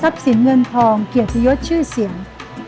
สินเงินทองเกียรติยศชื่อเสียง